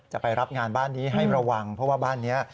จะไปรับงานบ้านนี้ให้ระวังเพราะว่าบ้านนี้